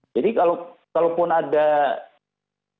jadi kalau pun ada training ya